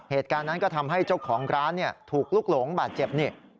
เหตุการณ์นั้นก็ทำให้เจ้าของร้านถูกลุกหลงบาดเจ็บนี่